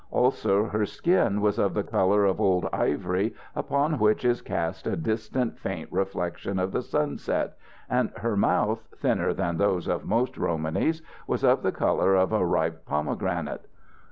Also, her skin was of the colour of old ivory upon which is cast a distant, faint reflection of the sunset, and her mouth, thinner than those of most Romanys, was of the colour of a ripe pomegranate.